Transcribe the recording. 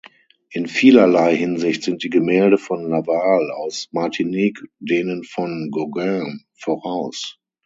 In vielerlei Hinsicht sind die Gemälde von Laval aus Martinique denen von Gauguin voraus.